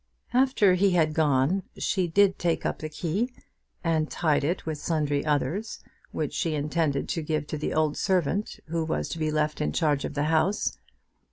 After he had gone she did take up the key, and tied it with sundry others, which she intended to give to the old servant who was to be left in charge of the house.